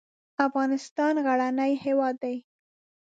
افغانستان غرنی هېواد دی.